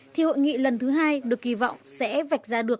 thì hội nghị lần thứ hai được kỳ vọng sẽ vạch ra được